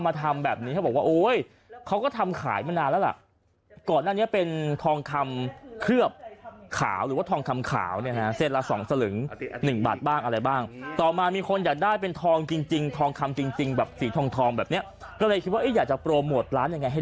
มาทำแบบนี้เขาบอกว่าโอ้ยเขาก็ทำขายมานานแล้วล่ะก่อนนั้น